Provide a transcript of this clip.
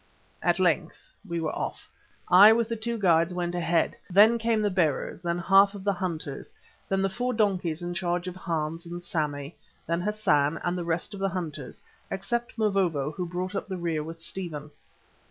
At length we were off. I with the two guides went ahead. Then came the bearers, then half of the hunters, then the four donkeys in charge of Hans and Sammy, then Hassan and the rest of the hunters, except Mavovo, who brought up the rear with Stephen.